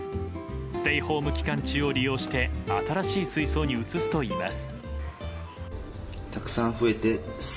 ステイホーム期間中を利用して新しい水槽に移すといいます。